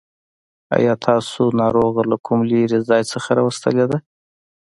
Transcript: آيا تاسو ناروغه له کوم لرې ځای څخه راوستلې ده.